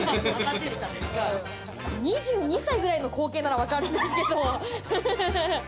２２歳くらいの光景なら分かるんですけれども。